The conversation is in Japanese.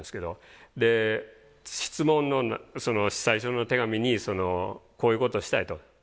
で質問のその最初の手紙にこういうことをしたいと。